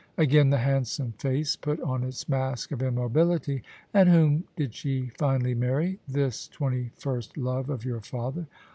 " Again the handsome face put on its mask of immobility. "And whom did she finally marry — this twenty first love of your father?"